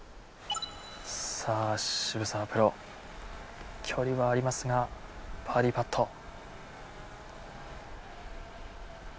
さあ澁澤プロ距離はありますがバーディパット。